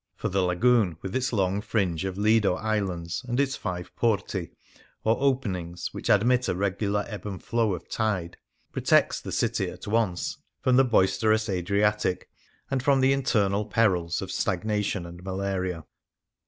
For the Lagoon, with its long fringe of Lido islands, and its five port% or openings, which admit a regular ebb and flow of tide, protects the city at once from the boisterous Adriatic and from the internal perils of stagnation and malaria.